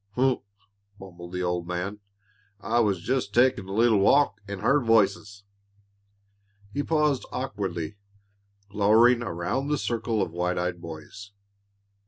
"Huh!" mumbled the old man. "I was jest takin' a little walk, an' heard voices " He paused awkwardly, glowering around the circle of wide eyed boys.